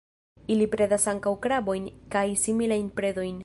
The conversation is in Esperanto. Ili predas ankaŭ krabojn kaj similajn predojn.